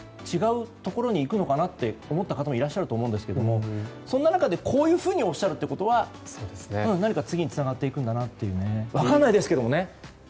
違うところに行くのかなって思った方もいらっしゃると思うんですけどそんな中でこういうふうにおっしゃるということは何か次につながっていくのかなと分からないですけどね。